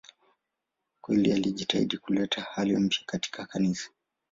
Kweli alijitahidi kuleta hali mpya katika Kanisa.